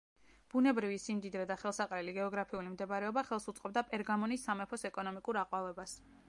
ბუნებრივი სიმდიდრე და ხელსაყრელი გეოგრაფიული მდებარეობა ხელს უწყობდა პერგამონის სამეფოს ეკონომიკურ აყვავებას.